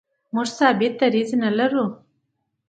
موږ ثابت دریځ نه لرو.